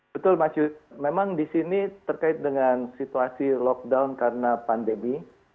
betul mas yud memang di sini terkait dengan situasi lockdown karena pandemi